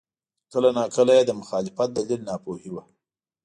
کله ناکله یې د مخالفت دلیل ناپوهي وه.